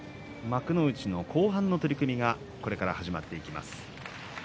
幕内の後半の取組がこれから始まっていきます。